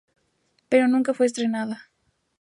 Pero nunca fue estrenada.